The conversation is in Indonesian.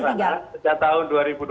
sejak tahun dua ribu dua puluh